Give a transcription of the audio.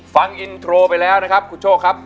ฟังอินโทรไปแล้วนะครับคุณโชคครับ